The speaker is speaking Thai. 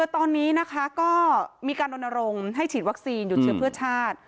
ตอนนี้มีการโดนอารมณ์ให้ฉีดวัคซีนอยู่เชื้อเพื่อชาติ